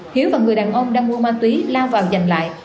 hiếu và người đàn ông đang mua ma túy lao vào dành lại